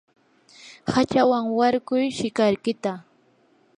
hachaman warkuy shikarkita.